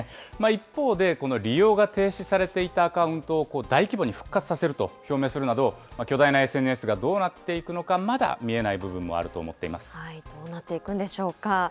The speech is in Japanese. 一方でこの利用が停止されていたアカウントを大規模に復活させると表明するなど、巨大なＳＮＳがどうなっていくのか、まだ見えなどうなっていくんでしょうか。